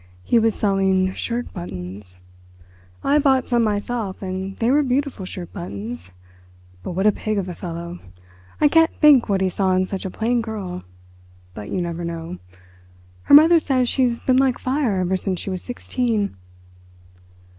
He was selling shirt buttons—I bought some myself, and they were beautiful shirt buttons—but what a pig of a fellow! I can't think what he saw in such a plain girl—but you never know. Her mother says she's been like fire ever since she was sixteen!"